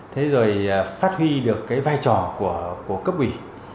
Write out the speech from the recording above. thế rồi phát huy được cái vai trò của cấp ủy